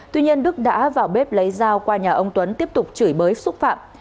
tuy nhiên đức đã vào bếp lấy dao qua nhà ông tuấn tiếp tục chửi bới xúc phạm